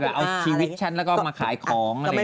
เอาชีวิตฉันแล้วก็มาขายของอะไรอย่างนี้